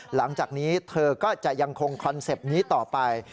หลังจากนี้เธอก็จะยังคงคอนเซ็ปต์นี้ต่อไป